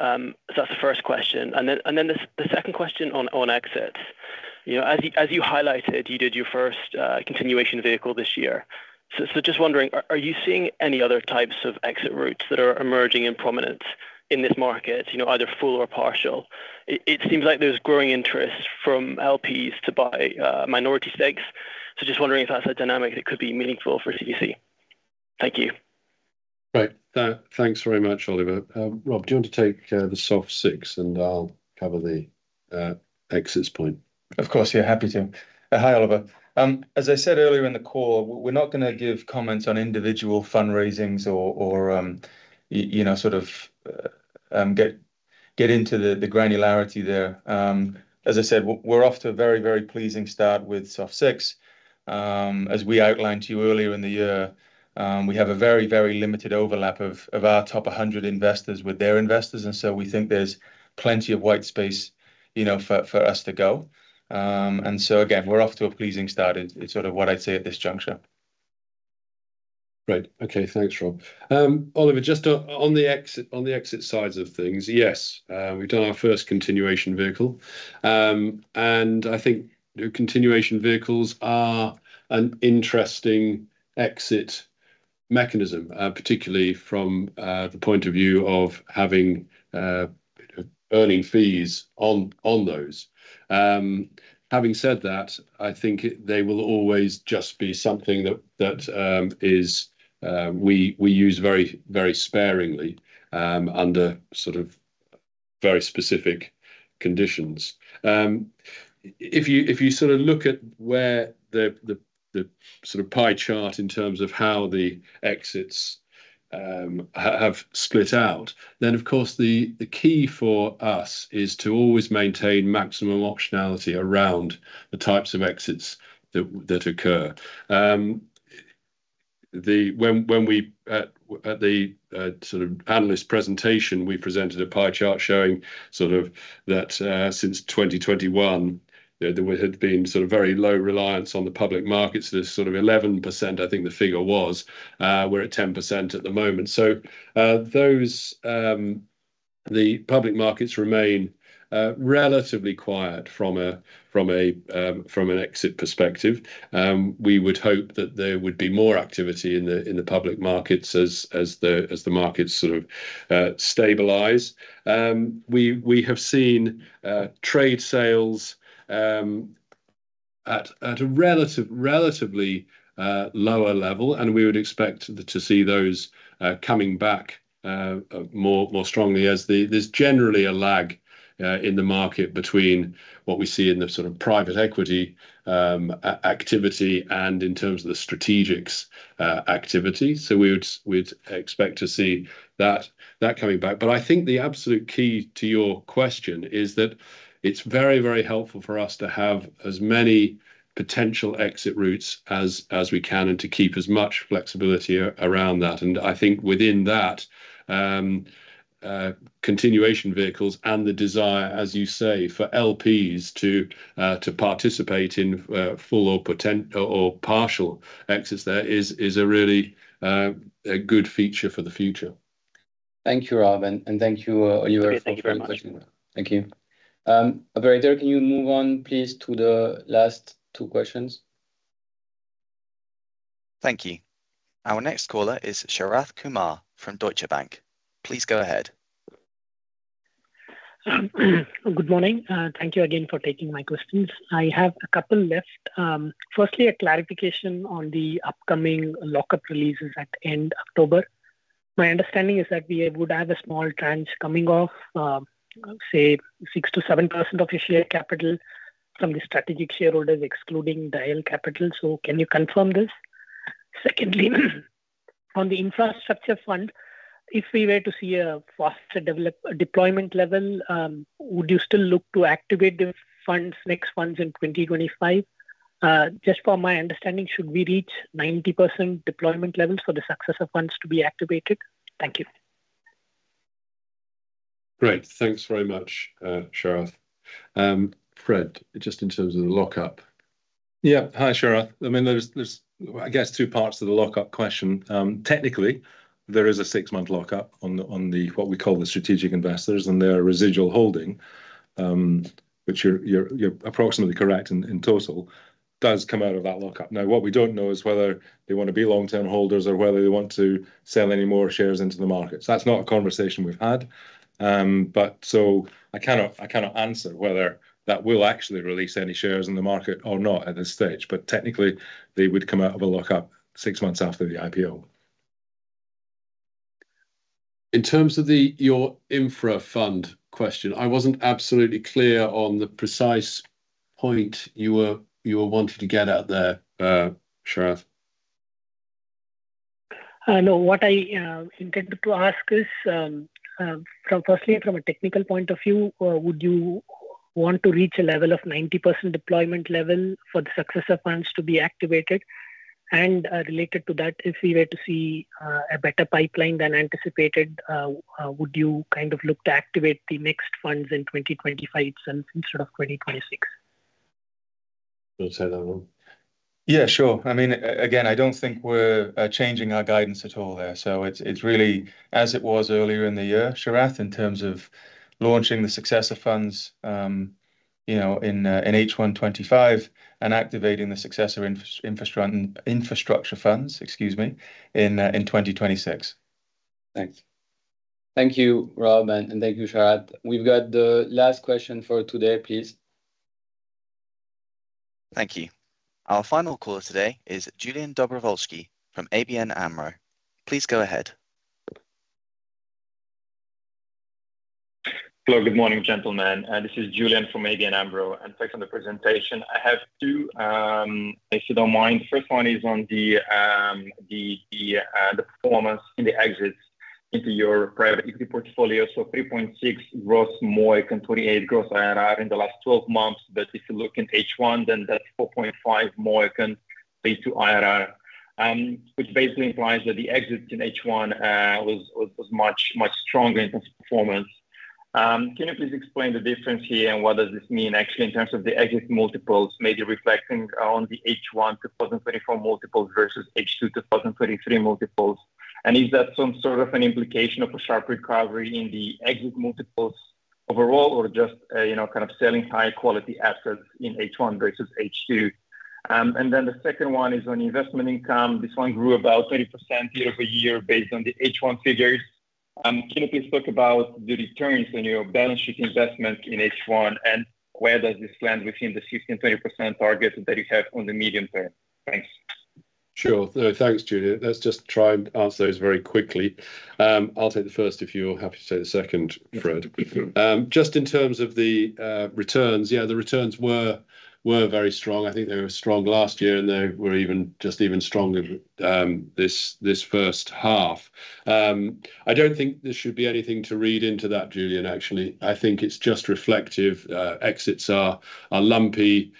So that's the first question, and then the second question on exits. You know, as you highlighted, you did your first continuation vehicle this year. So just wondering, are you seeing any other types of exit routes that are emerging in prominence in this market, you know, either full or partial? It seems like there's growing interest from LPs to buy minority stakes. So just wondering if that's a dynamic that could be meaningful for CVC. Thank you. Great. Thanks very much, Oliver. Rob, do you want to take the Soft Six, and I'll cover the exits point? Of course, yeah, happy to. Hi, Oliver. As I said earlier in the call, we're not gonna give comments on individual fundraisings or, you know, sort of, get into the granularity there. As I said, we're off to a very, very pleasing start with Soft Six. As we outlined to you earlier in the year, we have a very, very limited overlap of our top hundred investors with their investors, and so we think there's plenty of white space, you know, for us to go, and so again, we're off to a pleasing start, is sort of what I'd say at this juncture. Great. Okay, thanks, Rob. Oliver, just on the exit sides of things, yes, we've done our first continuation vehicle. And I think continuation vehicles are an interesting exit mechanism, particularly from the point of view of having earning fees on those. Having said that, I think they will always just be something that we use very, very sparingly, under sort of very specific conditions. If you sort of look at where the sort of pie chart in terms of how the exits have split out, then, of course, the key for us is to always maintain maximum optionality around the types of exits that occur. The... When we at the sort of analyst presentation, we presented a pie chart showing sort of that since 2021, there had been sort of very low reliance on the public markets. There's sort of 11%, I think the figure was, we're at 10% at the moment. So those the public markets remain relatively quiet from an exit perspective. We would hope that there would be more activity in the public markets as the markets sort of stabilize. We have seen trade sales at a relatively lower level, and we would expect to see those coming back more strongly as the... There's generally a lag-... In the market between what we see in the sort of private equity activity and in terms of the strategics activity. So we'd expect to see that coming back. But I think the absolute key to your question is that it's very, very helpful for us to have as many potential exit routes as we can, and to keep as much flexibility around that. And I think within that, continuation vehicles and the desire, as you say, for LPs to participate in full or partial exits there, is a really good feature for the future. Thank you, Rob, and thank you, Oliver. Thank you very much. Thank you. Operator, can you move on, please, to the last two questions? Thank you. Our next caller is Sharath Kumar from Deutsche Bank. Please go ahead. Good morning, thank you again for taking my questions. I have a couple left. Firstly, a clarification on the upcoming lock-up releases at end October. My understanding is that we would have a small tranche coming off, say, 6%-7% of your share capital from the strategic shareholders, excluding the CVC Capital. So can you confirm this? Secondly, on the infrastructure fund, if we were to see a faster deployment level, would you still look to activate the next funds in 2025? Just for my understanding, should we reach 90% deployment levels for the successor funds to be activated? Thank you. Great. Thanks very much, Sharath. Fred, just in terms of the lock-up. Yeah. Hi, Sharath. I mean, there's, I guess, two parts to the lock-up question. Technically, there is a six-month lock-up on the what we call the strategic investors, and their residual holding, which you're approximately correct in total does come out of that lock-up. Now, what we don't know is whether they want to be long-term holders or whether they want to sell any more shares into the market. So that's not a conversation we've had, but so I cannot answer whether that will actually release any shares in the market or not at this stage, but technically, they would come out of a lock-up six months after the IPO. In terms of the your infra fund question, I wasn't absolutely clear on the precise point you were wanting to get at there, Sharath. No, what I intended to ask is, firstly, from a technical point of view, would you want to reach a level of 90% deployment level for the successor funds to be activated? And, related to that, if we were to see a better pipeline than anticipated, would you kind of look to activate the next funds in 2025 itself instead of 2026? You take that one. Yeah, sure. I mean, again, I don't think we're changing our guidance at all there. So it's really as it was earlier in the year, Sharath, in terms of launching the successor funds, you know, in H1 2025, and activating the successor infrastructure funds, excuse me, in 2026. Thanks. Thank you, Rob, and thank you, Sharath. We've got the last question for today, please. Thank you. Our final caller today is Iulian Dobrovolschi from ABN AMRO. Please go ahead. Hello, good morning, gentlemen. This is lulian from ABN AMRO, and thanks for the presentation. I have two, if you don't mind. First one is on the performance in the exits into your private equity portfolio. So 3.6 gross MOIC and 28 gross IRR in the last twelve months. But if you look in H1, then that's 4.5 MOIC and 28 IRR, which basically implies that the exits in H1 was much stronger in terms of performance. Can you please explain the difference here, and what does this mean, actually, in terms of the exit multiples, maybe reflecting on the H1 2024 multiples versus H2 2023 multiples? And is that some sort of an implication of a sharp recovery in the exit multiples overall, or just a, you know, kind of selling high-quality assets in H1 versus H2? And then the second one is on investment income. This one grew about 20% year-over-year based on the H1 figures. Can you please talk about the returns on your balance sheet investment in H1, and where does this land within the 15%-20% target that you have on the medium term? Thanks. Sure. No, thanks, Julian. Let's just try and answer those very quickly. I'll take the first if you're happy to take the second, Fred. Sure. Just in terms of the returns, yeah, the returns were very strong. I think they were strong last year, and they were even just even stronger this first half. I don't think there should be anything to read into that, Iulian, actually. I think it's just reflective. Exits are lumpy.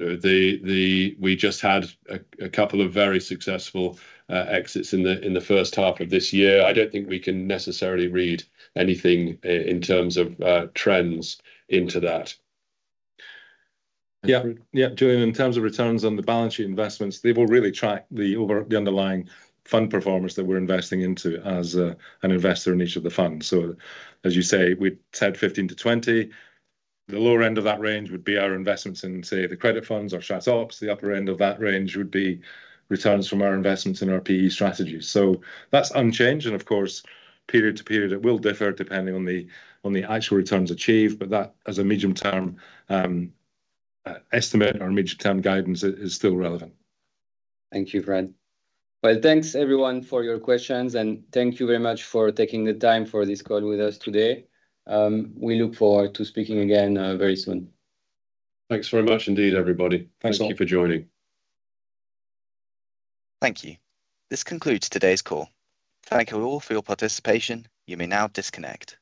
We just had a couple of very successful exits in the first half of this year. I don't think we can necessarily read anything in terms of trends into that. Yeah. Yeah, lulian, in terms of returns on the balance sheet investments, they will really track the underlying fund performance that we're investing into as an investor in each of the funds. So as you say, we've said 15-20. The lower end of that range would be our investments in, say, the credit funds or strat ops. The upper end of that range would be returns from our investments in our PE strategies. So that's unchanged, and of course, period to period, it will differ depending on the actual returns achieved, but that as a medium-term estimate or medium-term guidance is still relevant. Thank you, Fred. Thanks, everyone, for your questions, and thank you very much for taking the time for this call with us today. We look forward to speaking again very soon. Thanks very much indeed, everybody. Thanks a lot. Thank you for joining. Thank you. This concludes today's call. Thank you all for your participation. You may now disconnect.